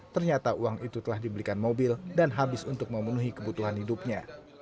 ternyata uang itu telah dibelikan mobil dan habis untuk memenuhi kebutuhan hidupnya